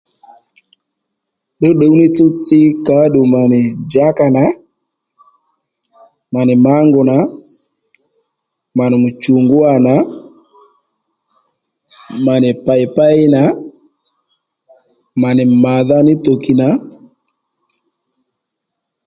Ddǔwddǔw ní tsúw-tsi óddù mà nì djǎkà nà mà nì mǎngù nà mà nì mùchùngúwà nà mà nì pàypáy nà mà nì madha ní tàkì nà